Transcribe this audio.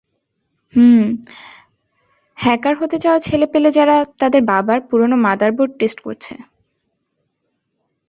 হুম, hacker হতে চাওয়া ছেলেপেলে যারা তাদের বাবার পুরনো মাদারবোর্ড টেস্ট করছে।